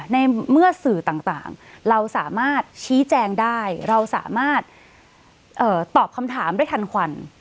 ในเมื่อสื่อต่างเราสามารถชี้แจงได้เราสามารถตอบคำถามได้ทันควัน